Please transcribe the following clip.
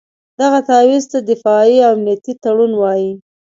دغه تعویض ته دفاعي او امنیتي تړون وایي.